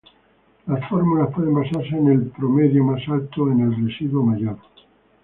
Las fórmulas pueden basarse en el "promedio más alto" o en el "residuo mayor".